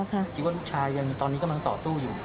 คิดว่าลูกชายยังตอนนี้กำลังต่อสู้อยู่